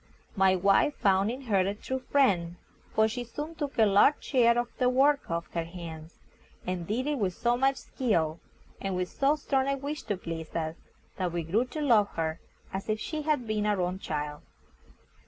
My wife found in her a true friend, for she soon took a large share of the work off her hands, and did it with so much skill, and with so strong a wish to please us, that we grew to love her as if she had been our own child.